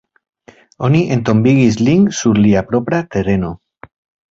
Oni entombigis lin sur lia propra tereno.